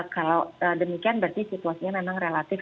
kalau demikian berarti situasinya memang relatif